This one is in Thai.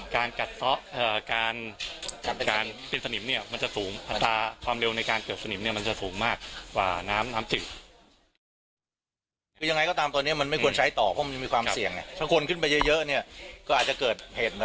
การเก็บสนิมมันจะสูงอัตราความเร็วในการเก็บสนิมมันจะใกล้มากว่าน้ำติด